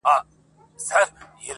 د خپل ژوند عکس ته گوري,